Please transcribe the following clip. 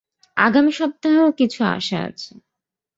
আগামী সপ্তাহেও কিছু আশা আছে।